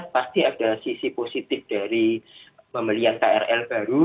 pasti ada sisi positif dari pembelian krl baru